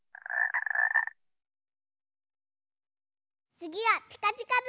つぎは「ピカピカブ！」